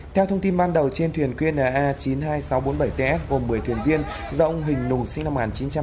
theo thông tin ban đầu trên thuyền kna chín mươi hai nghìn sáu trăm bốn mươi bảy ts gồm một mươi thuyền viên do ông hình nùng sinh năm một nghìn chín trăm sáu mươi ba